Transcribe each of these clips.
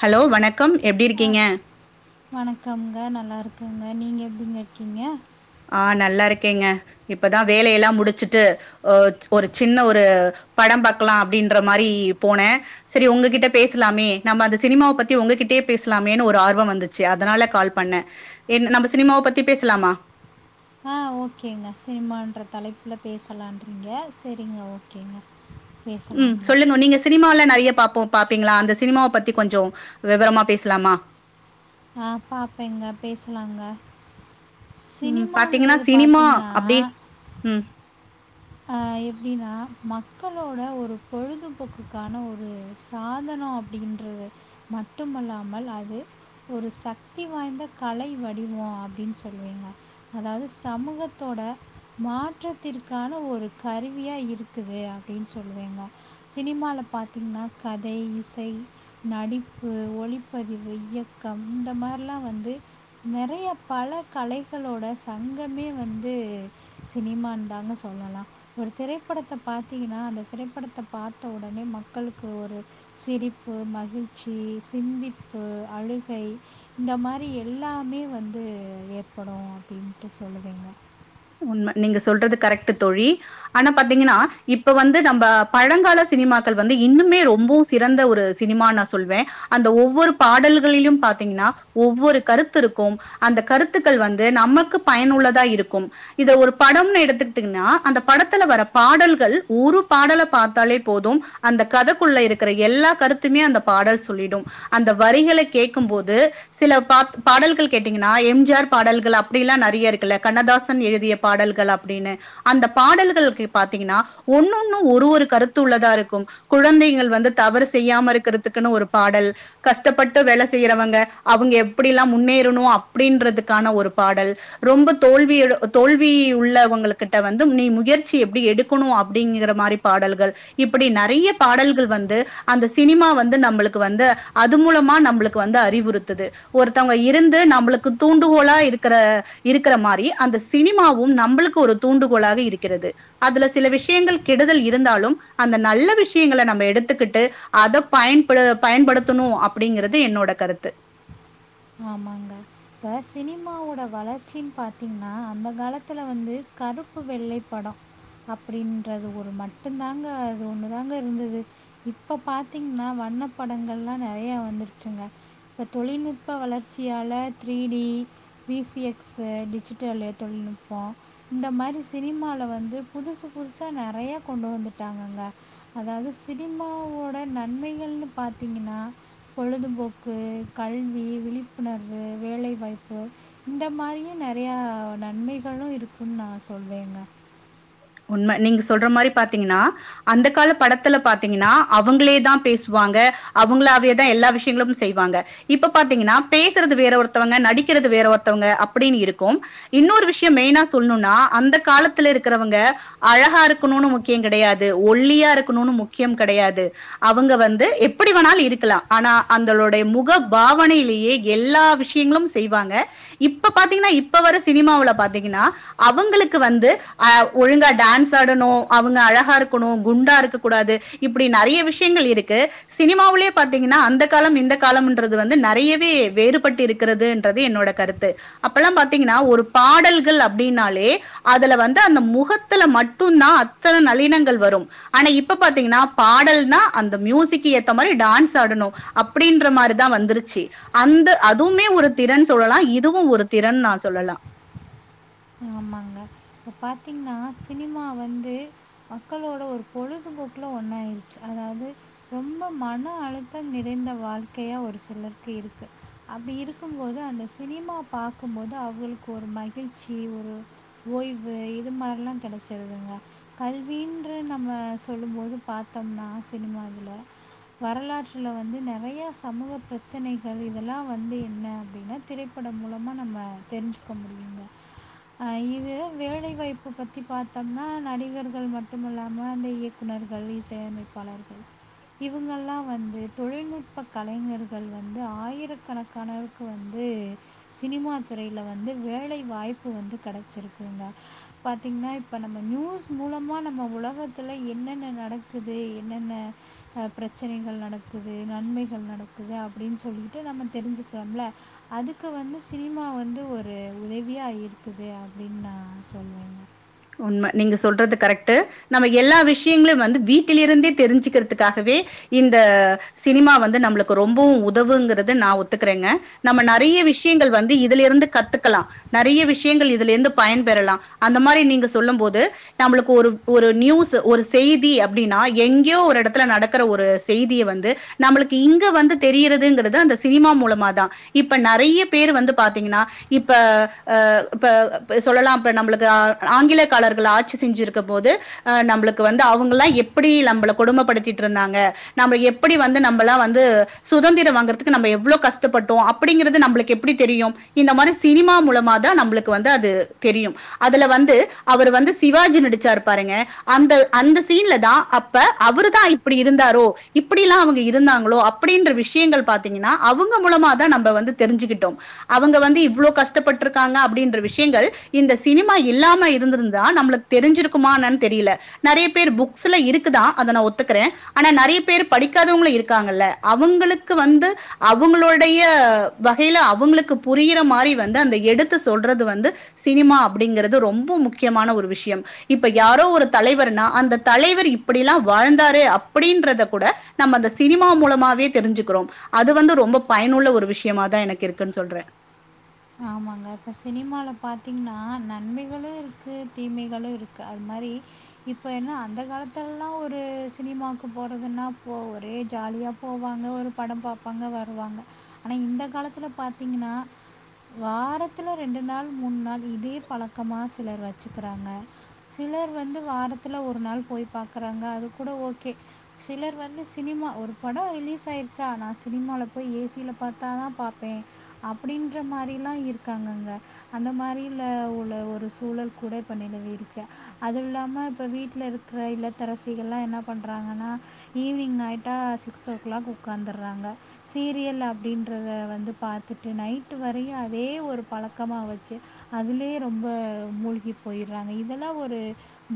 hello வணக்கம் எப்டி ஆ இருக்கிங்க வணக்கம்ங்க நல்லாருக்கங்க நீங்க எப்டிங்க இர்க்கிங்க ஆ நல்லா ருக்கேங்க இப்பதா வேலய எல்லாம் முடிச்சுட்டு அ ஒரு சின்ன ஒரு படம் பாக்கலாம் அப்டின்ற மாறி போன செரி உங்ககிட்ட பேஸ்லாமே நம்ப அந்த சினிமாவ பத்தி உங்ககிட்டயே பேஸ்லாமேன்னு ஒரு ஆர்வம் வந்துச்சு அதனால கால் பண்ண என் நம்ப சினிமாவ பத்தி பேசலாமா ஓக்கேங்க சினிமான்ற தலைப்ல பேசலான்றிங்க செரிங்க ஓக்கேங்க ம் சொல்லுங்க நீங்க சினிமாவலாம் நெறிய பாப்போம் பாப்பிங்களா அந்த சினிமாவ பத்தி கொஞ்சோ வேவரமா பேசலாமா ஆ பாப்பேங்க பேசலாங்க உம் பாத்திங்ன்னா சினிமாங்கிறது சினிமா பார்த்தீங்கன்னா அப்டி உம் அ எப்டின்னா மக்களோட ஒரு பொழுதுபோக்குக்கான ஒரு சாதனோ அப்டின்றது மட்டுமல்லாமல் அது ஒரு சக்தி வாய்ந்த கலை வடிவோ அப்டின்னு சொல்வேங்க அதாவ்து சமூகத்தோட மாற்றத்திற்கான ஒரு கருவியா இருக்குது அப்டின் சொல்வேங்க சினிமால பாத்திங்ன்னா கதை இசை நடிப்பு ஒளிப்பதிவு இயக்கம் இந்த மார்லாம் வந்து நெறய பல கலைஹளோட சங்கமே வந்து சினிமான் தாங்க சொ சொல்லலாம் ஒரு திரைப்படத்த பாத்திங்ன்னா அந்த திரைப்படத்த பாத்த உடனே மக்களுக்கு ஒரு சிரிப்பு மகிழ்ச்சி சிந்திப்பு அழுகை இந்த மாறி எல்லாமே வந்து ஏற்படும் அப்டின்ட்டு சொல்லுவேங்க உண்ம நீங்க சொல்றது கரெக்ட்டு தோழி ஆனா பாத்திங்ன்னா இப்ப வந்து நம்ப பழங்கால சினிமாக்கள் வந்து இன்னுமே ரொம்போ சிறந்த ஒரு சினிமான் நா சொல்வே அந்த ஒவ்வொரு பாடல்களில்யும் பாத்திங்ன்னா ஒவ்வொரு கருத்து ருக்கும் அந்த கருத்துக்கள் வந்து நமக்கு பயனுள்ளதா இருக்கும் இத ஒரு படம்ன் எடுத்துட்டிங்ன்னா அந்த படத்துல வர பாடல்கள் ஒரு பாடல பாத்தாலே போதும் அந்த கதக்குள்ள இருக்கிற எல்லா கருத்துமே அந்த பாடல் சொல்லிடும் அந்த வரிகளை கேக்கும் போது சில பாத் பாடல்கள் கேட்டிங்கன்னா எம்ஜிஆர் பாடல்கள் அப்டில்லாம் நறிய இருக்குல்ல கண்ணதாஸ் கண்ணதாசன் எழுதிய பாடல்கள் அப்டின்னு அந்த பாடல்களுக்கு பாத்திங்கன்னா ஒன்னொண்ணூ ஒரு ஒரு கருத்து உள்ளதா இருக்கும் குழந்தைகள் வந்து தவறு செய்யாம ருக்கிறதுக்குன்னு ஒரு பாடல் கஷ்டப்பட்டு வேல செய்யறவங்க அவ்ங்க எப்புடி எல்லாம் முன்னேறுணும் அப்டின்றதுக்கான ஒரு பாடல் ரொம்ப தோல்வி எ தோல்வி உள்ளவங்களுக்கு கிட்ட வந்து நீ முயற்சி எப்டி எடுக்கோணூ அப்டிங்கிற மாறி பாடல்கள் இப்டி நெறய பாடல்கள் வந்து அந்த சினிமா வந்து நம்பளுக்கு வந்து அது மூலமா நம்பளுக்கு வந்து அறிவுறுத்துது ஒருத்தவ்ங்க இருந்து நம்புளுக்கு தூண்டுகோலா இருக்கிறா இருக்கிற மாறி அந்த சினிமாவும் நம்புளுக்கு ஒரு தூண்டுகோலாக இருக்கிறது அதுல சில விஷ்யங்கள் கெடுதல் இருந்தாலும் அந்த நல்ல விஷ்ய்ங்கள நம்ப எடுத்துக்குட்டு அத பயன்படு பயன்படுத்துணூ அப்டிங்கறது என்னோட கருத்து ஆமாங்க இப்ப சினிமாவோட வளர்ச்சின் பாத்திங்ன்னா அந்த காலத்துல வந்து கருப்பு வெள்ளை படம் அப்டின்றது ஒரு மட்டுந்தாங்க அது ஒண்ணுதாங்கருந்தது இப்ப பாத்திங்ன்னா வண்ணப்படங்கள்லாம் நெறய வந்துடுச்சுங்க இப் தொழில்நுட் ப்ப வளர்ச்சியால த்ரீடி விஃபிஎக்ஸு டிஜிட்டல்லு தொழில்நுட்போ இந்த மாறி சினிமால வந்து புதுசு புதுசா நெறயா கொண்டு வந்துட்டாங்கங்க அதாவ்து சினிமாவோட நன்மைகள்னு பாத்திங்கன்னா பொழுதுபோக்கு கல்வி விழிப்புணர்வு வேலை வாய்ப்பு இந்த மாறியும் நெறயா நன்மைகளும் இருக்குன் நா சொல்வேங்க உண்ம நீங்க சொல்ற மாறி பாத்திங்கன்னா அந்த கால படத்துல பாத்திங்கன்னா அவுங்களே தா பேசுவாங்க அவுங்களாவேதா எல்லா விஷ்யங்களும் செய்வாங்க இப்ப பாத்திங்கன்னா பேசுறது வேற ஒருத்தவங்க நடிக்கிறது வேற ஒர்த்தவங்க அப்டின் இருக்கோ இன்னொரு விஷ்யம் மெய்னா சொல்ணும்னா அந்த காலத்துலருக்குறவங்க அழகா இருக்கணும்னு முக்கியம் கேடையாது ஒல்லியா இருக்கணும்னு முக்கியம் கேடையாது அவுங்க வந்து எப்டி வேணாலு இருக்கலாம் ஆனா அந்தளுடைய முக பாவனையிலேயே எல்லா விஷ்யங்களும் செய்வாங்க இப்ப பாத்திங்ன்னா இப்ப வர சினிமவுல பாத்திங்கன்னா அவங்களுக்கு வந்து ஆ ஒழுங்கா டேன்ஸ் ஆடணும் அவுங்க அழகா ருக்கணூ குண்டா இருக்க கூடாது இப்டி நிறைய விஷ்யங்கள் இருக்கு சினிமாவலயே பாத்திங்ன்னா அந்த காலம் இந்த காலம்ன்றது வந்து நெறயவே வேறுபட்டு இருக்கறதுன்றது என்னோட கருத்து அப்பெல்லாம் பாத்திங்ன்னா ஒரு பாடல்கள் அப்டின்னாலே அ அதுல வந்து அந்த முக முஹத்துல மட்டு்ந்தா அத்தன நளினங்கள் வரும் ஆனா இப்ப பாத்திங்கன்னா பாடல்னா அந்த மியூசிக்கி ஏத்த மாறி டான்ஸ் ஆடணு அப்டின்ற மாறிதா வந்துருச்சி அந்த அதுவுமே ஒரு திறன் சொல்லலாம் இதுவு ஒரு திறன் நா சொல்லலாம் ஆமாங்க இப்ப பாத்திங்ன்னா சினிமா வந்து மக்களோட ஒரு பொழுதுபோக்கில ஒன்னாயிருச்சி அதாவ்து ரொம்ப மன அழுத்தம் நிறைந்த வாழ்க்கையாக ஒரு சிலருக்கு இருக்குது அப்டி இருக்கும்போது அந்த சினிமா பாக்கும்போது அவுங்ளுக்கு ஒரு மகிழ்ச்சி ஒரு ஓய்வு இது மாறில்லா கேடச்சிருதுங்க கல்வின்ற நம்ம சொல்லும் போது பாத்தம்னா சினிமால வரலாற்றுல வந்து நெறய சமூக ப்ரச்சனைகள் இதெல்லாம் வந்து என்ன அப்டின்னு திரைப்படம் மூலமா நம்ம தெரிஞ்சுக்க முடியுங்க இது வேலைவாய்ப்பு பத்தி பாத்தம்னா நடிகர்கள் மட்டு இல்லாமல் அந்த இயக்குநர்கள் இசையமைப்பாளர்கள் இவுங்கல்லாம் வந்து தொழில்நுட்ப கலைஞர்கள் வந்து ஆயிரக்கணக்கானவுக்கு வந்து சினிமா துறைல வந்து வேலை வாய்ப் பு வந்து கேடச்சிருக்குங்க பாத்திங்ன்னா இப்ப நம்ம நியூஸ் மூலமா நம்ம உலகத்துல என்னென்ன நடக்குது என்னென்ன ப்ரச்சனைகள் நடக்குது நன்மைகள் நடக்குது அப்டின் சொல்லிட்டு நம்ம தெரிஞ்சுக்கலாம்ல அதுக்கு வந்து சினிமா வந்து ஒரு உதவியா இருக் க்குது அப்டின் நா சொல்வேங்க உண்ம நீங்க சொல்றது கரெக்ட்டு நம்ம எல்லா விஷ்யங்களு வந்து வீட்டில் இருந்தே தெரிஞ்சிக்கிறதுக்காகவே இந்த சினிமா வந்து நம்புளுக்கு ரொம்போ உதவுங்கறத நா ஒத்துக்குறேங்க நம்ம நெறய விஷ்யங்கள் வந்து இதுலேருந்து கத்துக்கலாம் நெறய விஷ்யங்கள் இதுலேருந்து பயன்பெறலாம் அந்த மாறி நீங்க சொல்லும் போது நம்ப்லுக்கு ஒரு நியூஸ்ஸு ஒரு செய்தி அப்டின்னா எங்யோ ஒரு எடத்துல நடக்குற ஒரு செய்திய வந்து நம்புளுக்கு இங்க வந்து தெரியிறதுங்கறது அந்த சினிமா மூலமா தா இப்ப நெறய பேரு வந்து பாத்திங்ன்னா இப்ப ஆ இப்ப சொல்லலாம் இப்ப நம்ப்லுக்கு ஆ ஆங்கிலத் காலர்கள் ஆட்சி செஞ்சிருக்கம் போது ஆ நம்ப்ளுக்கு வந்து அவுங்கல்லாம் எப்புடி நம்பள கொடும்பப்படுத்திட் ருந்தாங்க நம்ம எப்படி வந்து நம்பளாம் வந்து சுதந்திரம் வாங்கற்துக்கு நம்ம எவ்ளோ கஷ்டப்பட்டோம் அப்டிங்கிறது நம்புளுக்கு எப்டி தெரியும் இந்த மாறி சினிமா மூலமாதா நம்புளுக்கு வந்து அது தெரியும் அதுல வந்தூ அவரு வந்து சிவாஜி நடிச்சாரு பாருங்க அந்த அந்த சீன்ல தா அப்ப அவரு தா இப்டி இருந்தாரோ இப்புடி எல்லாம் அவுங்க இருந்தாங்களோ அப்டின்ற விஷ்யங்கள் பாத்திங்கன்னா அவுங்க மூலமா தா நம்ப வந்து தெரிஞ்சிக்கிட்டோம் அவுங்க வந்து இவ்ளோ கஷ்டப்பட்ருக்காங்க அப்டின்ற விஷ்யங்கள் இந்த சினிமா இல்லாம இத் இருந்திருந்தா நம்மளுக்கு தெரிஞ்சுருக்குமானு தெரில நறைய பேரு புக்ஸ்ல இருக்கு அத நா ஒத்துக்கேன் ஆனா நறைய பேரு படிக்காதவங்கலு இருக்காங்கள அவங்களுக்கு வந்து அவங்களுடைய வகைல அவங்களுக்கு புரியிர மாரி அந்த எடுத்து சொல்றது வந்து சினிமா அப்டிங்கிறது ரொம்ப முக்கிய முக்கியமான ஒரு விஷயம் இப்ப யாரோ ஒரு தலைவர்னா அந்த தலைவர் இப்டில்லாம் வாழ்ந்தாரு அப்டின்றத கூட நம்ம அந்த சினிமா மூலமாவே தெரிஞ்சுக்கிறோம் அது வந்து ரொம்ப பயனுள்ள ஒரு விஷயமாதான் எனக்கு இருக்குன்னு சொல்றேன் ஆமாங்க இப்ப சினிமால பாத்தீங்கன்னா ஆ நன்மைகளும் இருக்கு தீமைகளும் இருக்கு அது மாரி இப்போ என்ன அந்த காலத்துலலாம் ஒரு சினிமாவுக்கு போறதுன்னா ஒரே ஜாலியா போவாங்க ஒரு படம் பாப்பாங்க வருவாங்க ஆனா இந்த காலத்துல பாத்தீங்கன்னா வாரத்துல ரெண்டு நாள் மூணு நாள் இதே பழக்கமா சிலர் வெச்சுக்கிறாங்க சிலர் வந்து வாரத்துல ஒரு நாள் போய் பாக்குறாங்க அது கூட ஓகே சிலர் வந்து சினிமா ஒரு படம் ரிலீஸ் ஆயிருச்சா நான் சினிமால போய் ஏசியில பாத்தாதான் பாப்பேன் அப்டின்ற மாரி இருக்காங்க அந்த மாரி ஒரு சூழல் கூட இப்ப நிலவி இருக்கு அதுவும் இல்லாம இப்ப வீட்டல இருக்கிற இளத்தரசிகள்ல்லாம் என்ன பண்றாங்கன்னா ஈவினிங் ஆயிட்டா சிக்ஸ் ஓ கிளாக் உகார்ந்துடுறாங்க சீரியல் அப்டின்றத வந்து பாத்தட்டு நைட் வரை அதே ஒரு பழக்கமா வெச்சு அதுலயே ரொம்ப மூழ்கி போயிடுறாங்க இதெல்லாம் ஒரு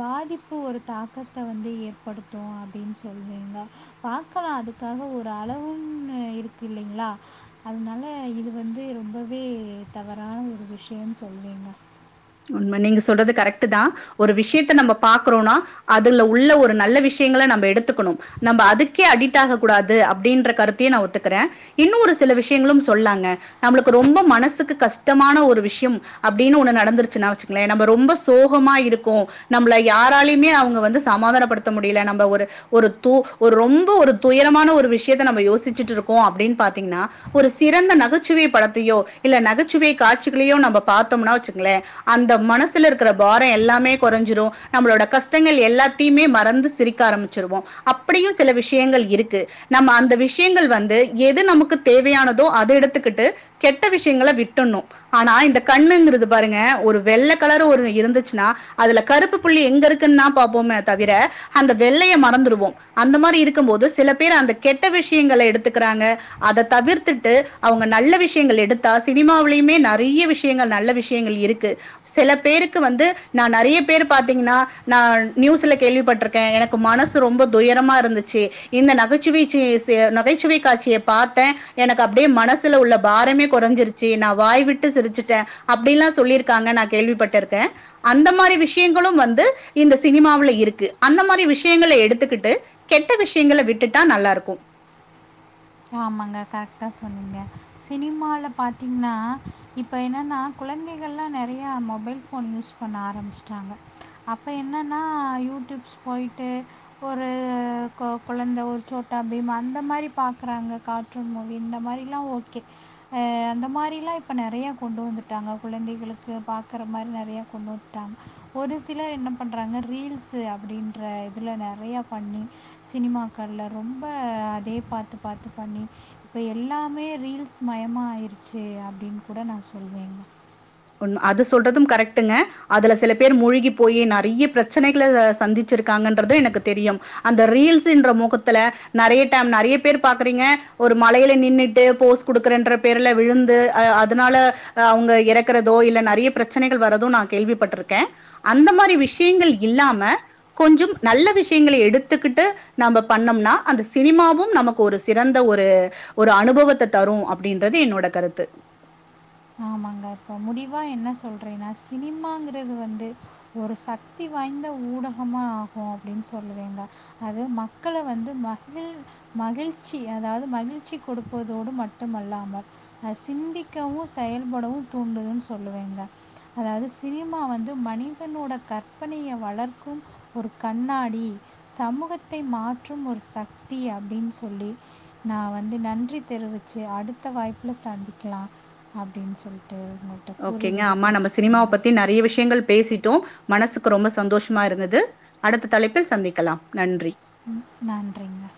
பாதிப்பு ஒரு தாக்கத்தை வந்து ஏற்படுத்தும் அப்டின்னு சொல்லீங்க பாக்கலாம் அதுக்காக ஒரு அளவுன்னு இருக்கு இல்லைங்களா அதனால இது வந்து ரொம்ப வே தவறான ஒரு விஷயம்னு சொல்வீங்க உண்ம நீங்க சொல்றது கரெக்ட் தான் ஒரு விஷயத்த நம்ம பாக்குறோம்னா அதுல உள்ள ஒரு நல்ல விஷயங்க நம்ம எடுத்துக்கணும் நம்ம அதுக்கே அடிக்ட் ஆக கூடாது அப்டின்ற கருத்தையும் நான் ஒத்துக்கறேன் இன்னும் ஒரு சில விஷயங்களும் சொல்லாங்க நம்மளுக்கு ரொம்ப மனசுக்கு கஷ்டமான ஒரு விஷயம் அப்டின்னு ஒன்னு நடந்துருச்சு சுனா வெச்சுக்கோங்களே நம்ம ரொம்ப சோகமா இருக்கும் நம்மள யாராலையுமே அவங்க வந்து சமாதானப்படுத்த முடியல நம்ம ஒரு ஒரு தொ ஒரு ரொம்ப ஒரு துயரமான ஒரு விஷயத்த நம்ம யோசிச்சுட்டு இருக்கோம் அப்டின்னு பாத்தீங்கன்னா ஒரு சிறந்த நகைச்சுவை படத்தையோ இல்ல நகைச்சுவை காட்சிகளையோ நம்ம பாத்தோம்னா வச்சுக்கங்களே அந்த மனசுல இருக்கிற பாரம் எல்லாமே குறைஞ்சிறும் நம்மளோட கஷ்டங்கள் எல்லாத்தையுமே மறந்து சிரிக்க ஆரம்பிச்சிருவோம் அப்டியும் சில விஷயங்கள் இருக்கு நம்ம அந்த விஷயங்கள் வந்து எது நமக்கு தேவையானதோ அதை எடுத்துக்கிட்டு கெட்ட விஷயங்கள விட்டுணும் ஆனா இந்த கண்ணுங்கிறது பாருங்க ஒரு வெள்ளை கலரு ஒரு இருந்துச்சுன்னா அதுல கருப்பு புள்ளி எங்க இருக்குன்னா பாப்போம தவிர அந்த வெள்ளைய மறந்துடுவோம் அந்த மாரி இருக்கும் போது சில பேர் அந்த கெட்ட விஷயங்க எடுத்துக்கிறாங்க அத தவிர்த்துட்டு அவங்க நல்ல விஷயங்கள் எடுத்தா சினிமாவிலயுமே நிறைய விஷயங்கள் நல்ல விஷயங்கள் இருக்கு சில பேருக்கு வந்து நான் நெறைய பேரு பாத்தீங்கன்னா நான் நியூஸ்ல கேள்விப்பட்டிருக்கேன் எனக்கு மனசு ரொம்ப துயரமா இருந்துச்சு இந்த நகைச்சுவை நகைச்சுவை காட்சியை பாத்தேன் எனக்கு அப்டியே மனசுல உள்ள பாரமே குறைஞ்சிருச்சு நான் வாய் விட்டு சிரிச்சுட்டேன் அப்டில்லாம் சொல்லியிருக்காங்க நான் கேள்விப்பட்டிருக்கேன் அந்த மாரி விஷயங்களும் வந்து இந்த சினிமாவில இருக்கு அந்த மாரி விஷயங்க எடுத்துக்கிட்டு கெட்ட விஷயங்கள விட்டுட்டா நல்லா இருக்கும் ஆமாங்க கரெக்டா சொன்னீங்க சினிமால பாத்தீங்கன்னா இப்போ என்னன்னா குழந்தைகள்லாம் நெறைய மொபைல் போஃபோன் யூஸ் பண்ண ஆரம்பிச்சிட்டாங்க அப்போ என்னன்னா யூடியூப்ஸ் போயிட்டு ஒரு கொழந்தை ஒரு சோட்டா பீம் அந்த மாரி பார்க்குறாங்க கார்ட்டூன் மூவி இந்த மாரிலாம் ஓகே அந்த மாரிலாம் இப்போ நிறையா கொண்டு வந்துட்டாங்க கொழந்தைகளுக்கு பாக்கற மாரி நெறையா கொண்டு வந்துட்டாங்க ஒரு சிலர் என்ன பண்ணுறாங்க ரீல்ஸ் அப்டின்ற இதில் நெறையா பண்ணி சினிமாக்களில் ரொம்ப அதே பாத்து பாத்து பண்ணி இப்போ எல்லாமே ரீல்ஸ் மயமா ஆயிடுச்சு அப்டின்னு கூட நான் சொல்வேங்க அது சொல்றதும் கரெக்டுங்க அதுல சில பேர் மூழகி போயி நிறைய பிரச்சனைகளை சந்திச்சிருக்காங்கன்றத எனக்கு தெரியும் அந்த ரீல்ஸ்ன்ற முகத்துல நிறைய டைம் நிறைய பேர் பாக்குறீங்க ஒரு மலையில நின்னுட்டு போஸ் குடுக்குறன்ற பேர்ல விழுந்து் அதனால அவங்க இறக்க இருக்கிறதோ இல்ல நிறைய பிரச்சனைகள் வரதோ நான் கேள்விப்பட்டிருக்கேன் அந்த மாரி விஷயங்கள் இல்லாம கொஞ்சம் நல்ல விஷயங்களை எடுத்துக்கிட்டு நம்ம பண்ணோம்னா அந்த சினிமாவும் நமக்கு ஒரு சிறந்த ஒரு ஒரு அனுபவத்தை தரும் அப்டின்றது என்னோட கருத்து ஆமாங்க இப்ப முடிவா என்ன சொல்றேன்னா சினிமாங்கிறது வந்து ஒரு சக்தி வாய்ந்த ஊடகமா ஆகும் அப்டின்னு சொல்லுவீங்க அது மக்களை வந்து மகிழ் மகிழ்ச்சி அதாவது மகிழ்ச்சி கொடுப்பதோடு மட்டுமல்லாமல் அ சிந்திக்கவும் செயல் படவும் தூண்டுதுன்னு சொல்லுவேங்க அதாவது சினிமா வந்து மனிதனோட கற்பனையை வளர்க்கும் ஒரு கண்ணாடி சமூகத்தை மாற்றும் ஒரு சக்தி அப்டின்னு சொல்லி நான் வந்து நன்றி தெரிவிச்சு அடுத்த வாய்ப்ல சந்திக்கலாம் அப்டின் சொல்லி ஓகேங்க ஆமா நம்ம சினிமாவை பத்தி நிறைய விஷயங்கள் பேசிட்டோம் மனசுக்கு ரொம்ப சந்தோஷமா இருந்துது அடுத்த தலைப்பில் சந்திக்கலாம் நன்றி நன்றிங்க